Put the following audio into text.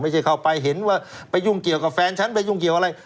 เข้าไปเห็นว่าไปยุ่งเกี่ยวกับแฟนฉันไปยุ่งเกี่ยวอะไร